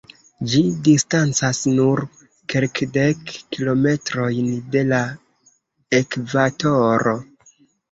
Ĝi distancas nur kelkdek kilometrojn de la ekvatoro.